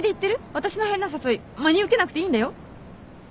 私の変な誘い真に受けなくていいんだよ？